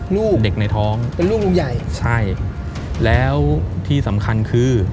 ลูกเป็นลูกลุงใหญ่ใช่แล้วที่สำคัญคือ